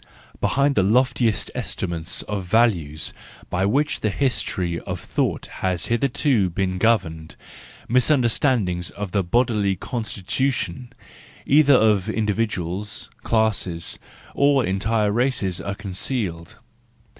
Behind the loftiest estimates of value by which the history of thought has hitherto been governed, misunderstandings of the bodily constitu¬ tion, either of individuals, classes, or entire races are concealed.